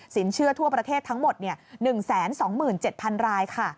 เชื่อทั่วประเทศทั้งหมด๑๒๗๐๐รายค่ะ